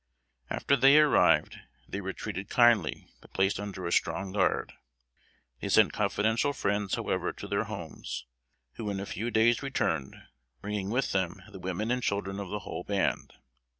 After they arrived, they were treated kindly, but placed under a strong guard. They sent confidential friends however to their homes, who in a few days returned, bringing with them the women and children of the whole band.